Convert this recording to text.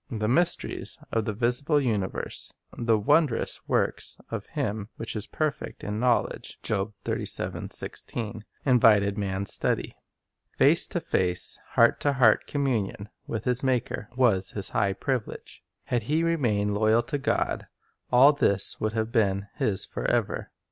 The mysteries of the visible universe — the "wondrous works of Him who is perfect in knowl edge" 2 — invited man's study. Face to face, heart to heart communion with his Maker was his high privilege. Had he remained loyal to God, all this would have been his forever.